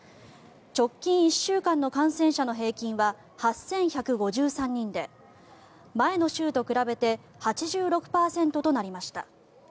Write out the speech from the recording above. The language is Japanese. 直近１週間の感染者の平均は８１５３人で前の週と比べて８６％となりました。